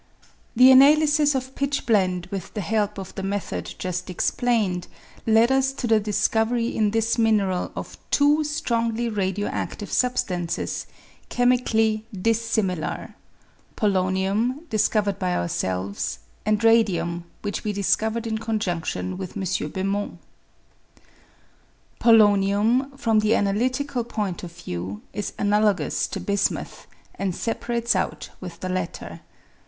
The analysis of pitchblende, with the help of the method just explained, led us to the discovery in this mineral of two strongly radio adive substances, chemically dissimilar :— Polonium, discovered by ourselves, and radium, which we discovered in conjundion with M. Bemont. Polonium, from the analytical point of view, is analogous to bismuth, and separates out with the latter.